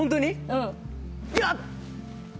うんやった！